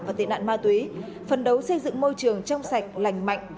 và tệ nạn ma túy phần đấu xây dựng môi trường trong sạch lành mạnh